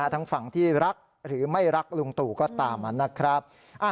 ทั้งฝั่งที่รักหรือไม่รักลุงตู่ก็ตามนะครับ